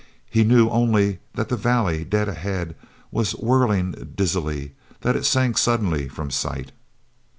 He knew only that the valley dead ahead was whirling dizzily—that it sank suddenly from sight.